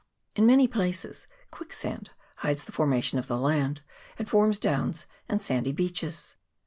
In many places quicksand hides the formation of the land, and forms downs and sandy beaches.